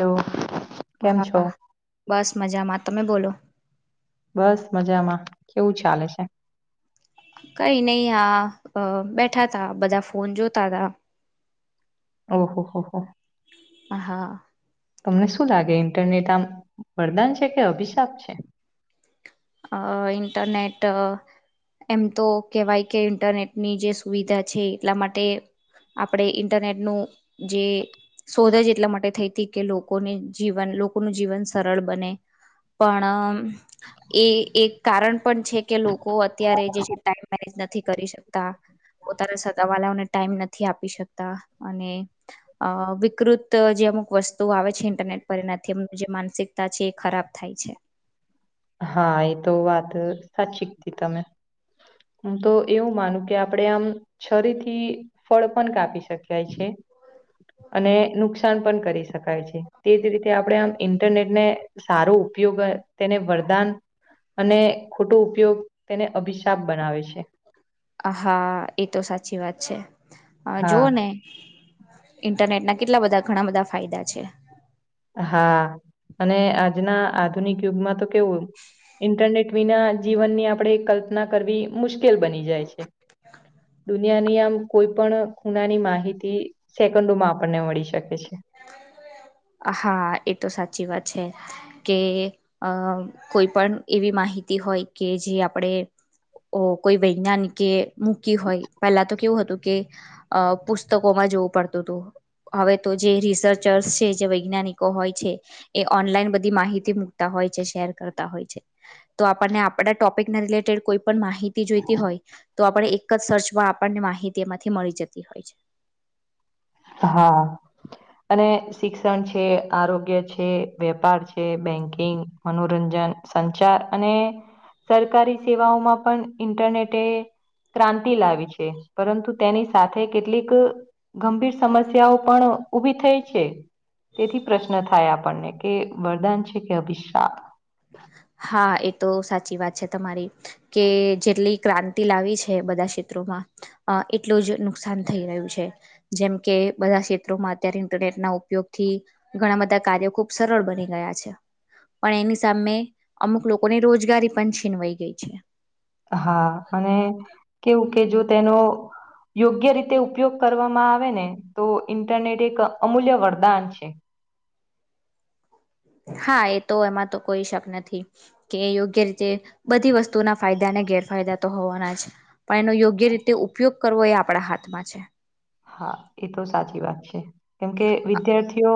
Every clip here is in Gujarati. હલો કેમ છો હા બસ મજામાં, તમે બોલો. બસ મજામાં, કેવું ચાલે છે? કઈ નહ હા બેઠા તા બધા ફોન જોતા તા ઓહો હોહ. હ હા. તમને શું લાગે ઇન્ટરનેટ આમ વરદાન છે કે અભિશાપ છે. અ ઇન્ટન્ટરનેટ અ એમ તો કેહેવાય કે ઇન્ટરનેટની જે સુવિધા છે એટલા માટે આપણે ઇન્ટરનેટ નું જે શોધ જ એટલા માટે થઈ હતી. કે લોકોને જીવન લોકોનું જીવન સરળ બને પણ એ એક કારણ પણ છે કે લોકો અત્યારે જે છે ટાઈમ મેનેજ નથી કરી શકતા. પોતાના સગા વાળાઓને ટાઈમ નથી આપી શકતા અને વિકૃત જે અમુક વસ્તુ આવે છે ઇન્ટરનેટ પર એ નથી એમનું જે માનસિકતા છે એ ખરાબ થાય છે. હા એતો વાત સાચી હતી તમે. હું તો એવું માનું કે આપણેે આમ છરીથી ફળ પણ કાપી શકાય છે. અને નુકસાન પણ કરી શકાય છે તેજ રીતે આપણે આમ ઇન્ટરનેટ ને સારો ઉપયોગ તેને વ ખોટો ઉપયોગ તેને અભિશાપ બનાવે છે. હા એ તો સાચી વાત છે હા જોઓ ને ઇન્ટરનેટના કેટલા બધા ઘણા બધા ફાયદા છે. હા અને આજના આધુનિક યુગમાં તો કેવું ઇન્ટરનેટ વિના જીવનની આપણે કલ્પના કરવી મુશ્કેલ બની જાય છે. દુનિયાની આમ કોઈ પણ ખૂણાની માહિતી સેકન્ડોમાં આપણને મળી શકે છે. હા એ તો સાચી વાત છે કે અ કોઈ પણ એવી માહિ તી હોય કે જે આપણે કોઈ વૈજ્ઞાનિક મૂકી હોય પેલા તો કેવું હતું કે અ પુસ્તકોમાં જોવું પડતું હત હવે તો જે રિસર્ચર્સ છે જે વૈજ્ઞાનિકો હોય છે એ ઓનલાઈન બધી માહિતી મુકતા હોય છે શેર કરતા હોય છે. તો આપણને આપડા ટોપિક ના રિલેટેડ કોઈ પણ માહિતી જોઈતી હોય તો આપણે એક જ સર્ચમાં આપણની માહિત હિતીમાંથી મળી જતી હોય છે. હા. અને શિક્ષણ છે, આરોગ્ય છે, વેપાર છે બેંકિંગ મનોરંજન સંચાર અને સરકારી સેવાઓમાં પણ ઇન્ટરનેટે ક્રાંતિ લાવી છે પરંતુ તેની સાથે કેટલીક ગંભીર સમસ્યાઓ પણ ઉભી થઈ છે. તેથી પ્રશ્ન થાય આપણને કે વરદાન છે કે અભિશાપ. હા એ તો સાચી વાત છે તમારી કે જેટલી ક્રાંતિ લાવી છે બધા ક્ષેત્રોમાં અ એટલું જ નુકસાન થઈ રહ્યું છે જેમ કે બધા ક્ષેત્રોમાં અત્યારે ઇન્ટરનેટના ઉપ યોગથી ઘણા બધા કાર્યો ખુબ સરળ બની ગયા છે પણ એની સામે અમુક લોકોને રોજગારી પણ છીનવાઈ ગઈ છે હા અને કેવું કે જો તેનો યોગ્ય રીતે ઉપયોગ કરવામાં આવે ને તો ઇન્ટરનેટ એક અમૂલ્ય વરદાન છે હા એ તો એમાં તો કોઈ શક નથી કે યોગ્ય રીતે બધી વસ્તુના ફાયદાને ગેરફાયદા તો હોવાના જ પણ એનો યોગ્ય રીતે ઉપયોગ કરવો એ આપણા હાથમાં છે હા એ તો સાચી વાત છે કેમકે વિદ્યાર્થીઓ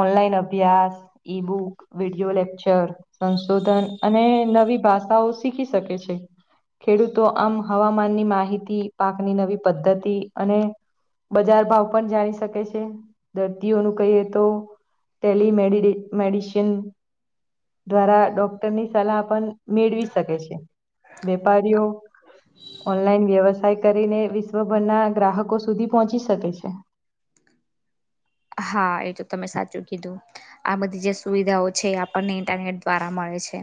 ઓનલાઈન અભ્યાસ ઈ બુક વિડીયો લેક્ચર સંશોધન અને નવી ભાષાઓ શીખી શકે છે ખેડૂતો આમ હવામાનની માહિતી પાકની નવી પદ્ધતિ અને બજાર ભાવ પણ જાણી શકે છે દર્દીઓનું કહીએ તો ટેલીમે મેડિશન દ્વારા ડોક્ટરની સલાહ પણ મેળવી શકે છે વેપારીઓ ઓનલાઈન વ્યવસાય કરીને વિશ્વભરના ગ્રાહકો સુધી પહોંચી શકે છે હા એ તો તમે સાચું કીધું આ બધી જે સુવિધાઓ છે આપણને ઇન્ટરનેટ દ્વારા મળે છે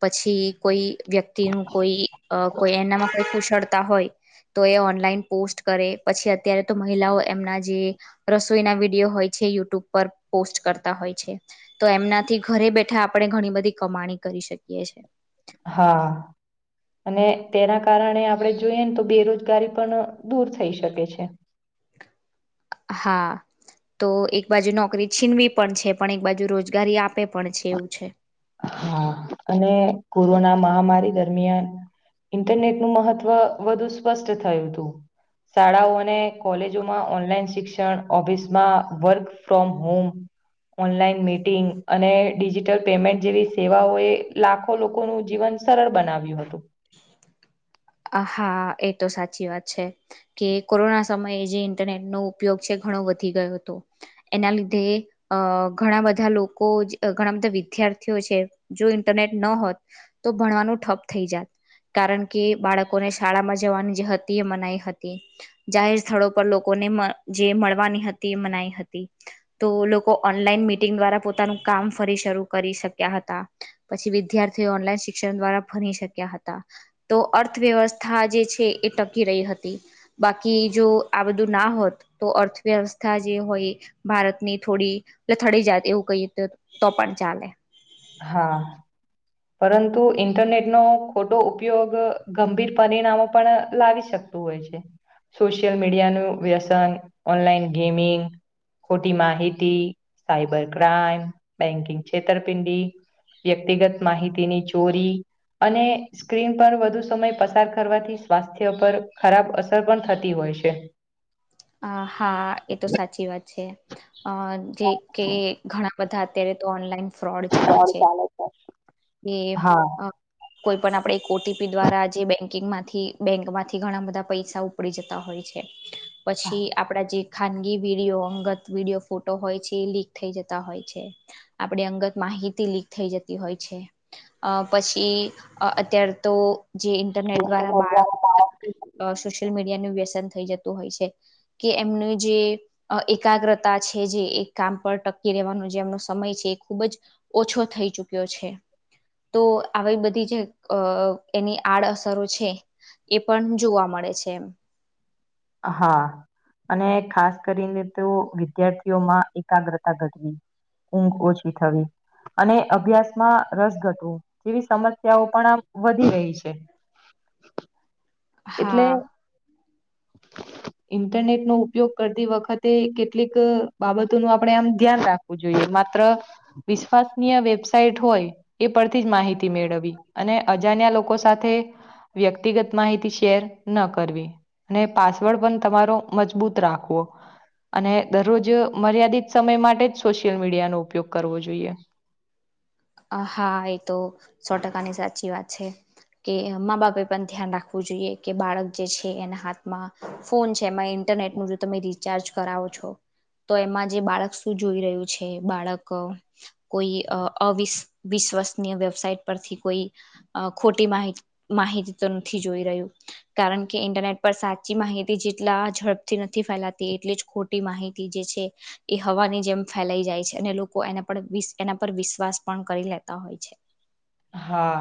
પછી કોઈ વ્યક્તિ ન કોઈ કોઈ એનામાં કોઈ કુશળ તા હોય તો એ ઓનલાઈન પોસ્ટ કરે પછી અત્યારે તો મહિલાઓ એમના જે રસોઈના વિ વિડીયો હોય યુટ્યુબ પર પો કરતા હોય છે તો એમનાથી ઘરે બેઠા આપણે ઘણી બધી કમાણી કરી શકીએ છે હા અને તેના કારણે આપણે જોઈએને તો બેરોજગારી પણ દૂર થઈ શકે છે હા તો એક બાજુ નોકરી છીનવી પણ છે પણ એક બાજુ રોજગારી આપે પણ એવું છે હા અને કોરોના મહામારી દરમિયાન ઇન્ટરનેટ નું મહત્વ વધુ સ્પષ્ટ થયું હતું શાળાઓ અને કોલેજોમાં ઓનલાઈન શિક્ષણ ઓફિસમાં work from home online meeting અને ડિજિટલ પેમેન્ટ જેવી સેવાઓ એ લાખો લોકોનું જીવન સરળ બનાવ્યું હતું આ હા એ તો સાચી વાત છે કે કોરોના સમયે જે ઇન્ટરનેટ નો ઉપયોગ છે ઘણો વધી ગયો હતો એના લીધે અ ઘણા બધા લોકો ઘણા બધા વિદ્યાર્થીઓ છે જોઈને ઇન્ટરનેટ ન હોત તો ભણવાનું ઠપ થઈ જાત કારણ કે બાળકોને શાળામાં જવાની જે હતી એ મનાઈ હતી જાહેર સ્થળો પર લોકોને જે મળવાની મનાઈ હતી તો લોકો ઓનલાઈન મિટિંગ દ્વારા પોતા નુ કામ ફરી શરૂ કરી શક્યા હતા પછી વિદ્યાર્થીઓ ઓનલાઈન શિક્ષણ દ્વારા ભણી શક્યા હતા તો અર્થવ્યવસ્થા જે છે એ ટકી રહી હતી બાકી જો આ બધું ના હોત તો અર્થવ્યવસ્થા જે હોય ભારતની થોડી લથડી જત એવું કઈ તો પણ ચાલે હા પરંતુ ઈન્ટરનેટ નો ખોટો ઉપયોગ ગંભીર પરિણામો પણ લાવી શકતું હોય સોશિયલ મીડિયાનું વ્યસન ઓનલાઈન ગેમિંગ ખોટી માહિતી સાયબર ક્રાાઈમ બેંકિંગ છેતરપિંડી વ્યક્તિગત માહિતીની ચોરી અને સ્ક્રીન પર વધુ સમય પસાર કરવાથી સ્વાસ્થ્ય પર ખરાબ અસર પણ થતી હોય હો છે અ હા એ તો સાચી વાત છે અ જે કે ઘણા બધા અત્યારે તો ઓનલાઈન ફ્રોડ ચાલે છે એ હા. હ કોઈ પણ આપણે એક ઓટીપી દ્વારા આજે બેંકિંગમાંથી બેન્કમાંથી ઘણા બધા પૈસા ઉપડી જતા હોય છે પછી આપડા જે ખાનગી વિડીિયો અંગત વિડીિયો ફોટો હોય છે એ લીક થઈ જતા હોય છે આપડે અંગત મા માહિતી લીક થઈ જતી હોય છે પછી અત્યારે તો જે ઇન્ટરનેટ દ્વારા બાળકો મીડીયા નું વ્યસન થઈ જતું હોય છે કે એમનું જે એકાગ્રતા છે જે કામ પર ટકી રહેેવાનો જે એમનો સમય છે એ ખુબ જ ઓછો થઈ ચુક્યો છે તો આવી બધી જે એની આડઅસરો છે એ પણ જોવા મળે છે એ હા અને ખાસ કરીને તો વિદ્યાર્થીઓમાં એકાગ્રતા ઘટવી ઊંઘ ઓછી થવી અને અભ્યાસમાં રસ ઘટવું જેવી સમસ્યાઓ પણ આ વધી રહી છે [inaudible] હા [inaudible] ઇન્ટરનેટ નો ઉપયોગ કરતી વખતે કેટલીક બાબતો નું આપડે આમ ધ્યાન રાખવું જોઈએ માત્ર વિશ્વાસનીય વેબસાઈટ હોય એ પરથી જ માહિતી મેળવી અને અજાણ્યા લોકો સાથે વ્યક્તિગત માહિતી શેર ન કરવી અને પાસવર્ડ પણ તમારો મજબૂત રાખવો અને દરરોજ મર્યાદિત સમય માટે જ સોશિયલ મીડિયાનોો ઉપયોગ કરવો જોઈએ [inaudible] હા એ તો સો ટકાની સાચી વાત છે કે મા બાપે પણ ધ્યાન રાખવું જોઈએ કે બાળક જે છે એના હાથમાં ફોન છે મા ઇન્ટરનેટ નું જો તમે રિચાર્જ કરાવો છો તો એમાં જે બાળક શું જોઈ રહ્યું છે બાળક કોઈ અિ વિશ્વસનીય વેબસાઇટ પરથી કોઈ ખોટી માહિતી તો નથી જોઈ રહ્યો કારણ કે ઇન્ટરનેટ પર સાચી માહિતી જેટલા ઝડપથી નથી ફેલાતી એટલે મોટી માહિતી જે છે એ હવાની જેમ ફેલાઈ જાય છે અને લોકો એને પણ એના પર વિશ્વાસ પણ કરી લેતા હોય છે હા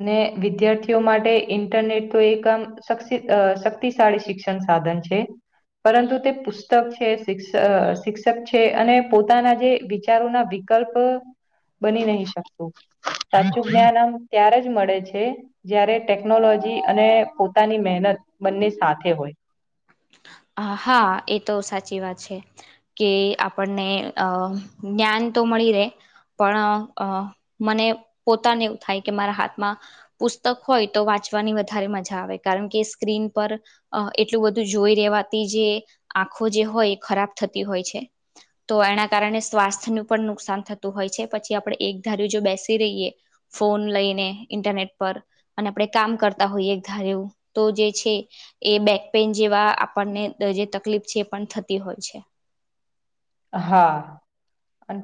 અને વિદ્યાર્થીઓ માટે ઇન્ટરનેટ તો એક આમ શક્તિશાળી શિક્ષણ છે સાધન છે પરંતુ તે પુસ્તક છે શિક્ષક છે અને પોતાના જે વિચારોના વિકલ્પ બની નહી શકતું સાચું જ્ઞાન આમ ત્યારે જ મળે છે જયારે ટેકનોલોજી અને પોતાની મહેનત બંને સાથે હોય હા એ તો સાચી વાત છે કે આપણને અ જ્ઞાન તો મળી રહેે પણ મને પોતાને એવું થાય કે મારા હાથમાં પુસ્તક હોય તો વાંચ ની વધારે મજા આવે કારણ કે સ્ક્રિન પર એટલું બું જોઈ રેવાથી જે આંખો જે હોય ખરાબ થતી હોય છે તો એના કારણે સ્વાસ્થ્યનું પણ નુકસાન થતું હોય છે પછી આપણે એક ધારી્યું જો બેસી રહીએ ફોન લઈને ઇન્ટરનેટ પર અને આપણે કામ કરતા હોઈએ ઘારે એવું તો જે છે એ બેક પેન જેવા આપણને જે તકલીફ છે એ પણ થતી હોય છે હા અ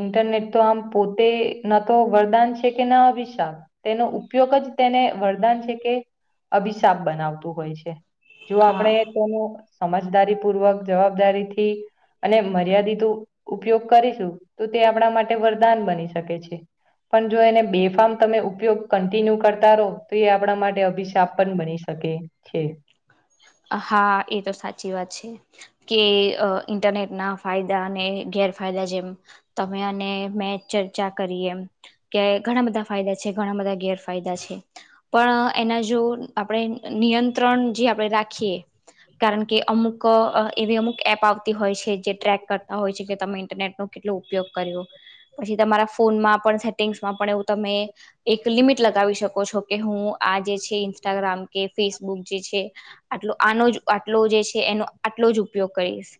ઇન્ટરનેટ તો આમ પોતે ન તો વરદાન છે કે ના અભિશાપ ઉપયોગ જ તેને વરદાન છે કે અભિશાપ બનાવતું હોય છે જો હા આપણેે તો સમજદારી પૂર્વક જવાબદારીથી અને મર્યાદિત ઉપયોગ કરીશું તો તે આપણા માટે વરદાન બની શકે છે પણ જો એને બેફામ તમે ઉપયોગ કન્ટિન્યુ કરતા રહો તો એ આપણા માટે અભિશાપ પણ બની શક કે છે. હાચી વાત છે કે ઇન્ટરનેટ ના ફાયદા અને ગેરફાયદા જેમ તમે અને મેં ચર્ચા કરી એમ કે ઘણા બધા ફાયદા છે, ઘણા બધા ગેરફાયદા છે. પણ એના જો આપણે નિયંત્રણ જે આપણે રાખીએ કારણ કે અમુક એવી અમુક એપ આવતી હોય છે જે ટ્રેક કરતા હોય છે કે તમે ઇન્ટરનેટ નો કે ટલો ઉપયોગ કર્યો પછી તમારા ફોનમાં પણ સેટિંગ્સમાં પણ એવું તમે એક લિમિટ લગાવી શકો છો કે હું આ જે છે ઇન્સ્ટાગ્રામ કે ફેસબુક જે છે આટલો આનો જ આટલો જે છે એનો આટલો જ ઉપયોગ કરીશ.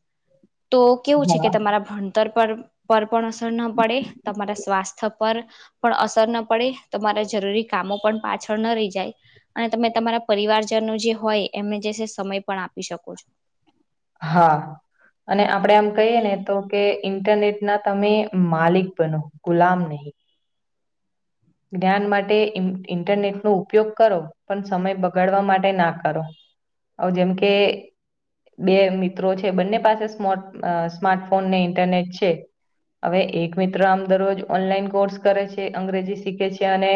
તો કેવું છે હા કે તમારા ભણતર પર પર પણ અસર ના પડે તમારા સ્વાસ્થ્ય પર પણ અસર ના પડે, તમારા જરૂરી કામો પણ પાછળ ન રહી જાય અને તમે તમારા પરિવારજનો જે હોય એમને જે સમય પણ આપી શકો છો. હા અને આપડે એમ કહીએ ને તો કે ઇન્ટરનેટ ના તમે માલિક બનો ગુલામ નહી. જ્ઞાન માટે ઇન્ટરનેટનો ઉપયોગ કરો પણ સમય બગાડવા માટે ના કરો. હવ જેમ કે બે મિત્રો છે બંને પાસે સ્માટ અ સ્માર્ટફોન ને ઇન્ટરનેટ છે હવે એક મિત્ર આમ દરરોજ ઓનલાઈન કોર્સ કરે છે, અંગ્રેજી શીખે છે અને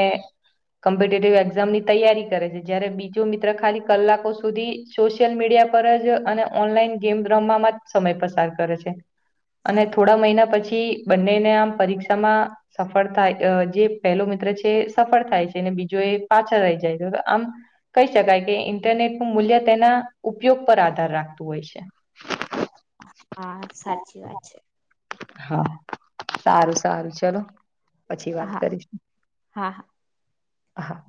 કોમ્પિટેટિવ એક્ઝામ ની તૈયારી કરે છે. જયારે બીજું મિત્ર ખાલી કલાકો સુધી સોશિયલ મીડિયા પર જ અને ઓનલાઈન ગેમ રમવાવામાં જ સમય પસાર કરે છે. અને થોડા મહિના પછી બંનેને આમ પરીક્ષામાં સફળ થાય અ જે પહેલો મિત્ર છે સફળ થાય છે અને બીજો એ પાછળ રહી જાય છે તો આમ કહી શકાય કે ઇન્ટરનેટ મૂલ્ય તેના ઉપયોગ પર આધાર રાખતું હોય છે. હા સાચી વાત છે. હા, સારું સારું ચલો પછી વાત હા કરીશ. હા હા. હા.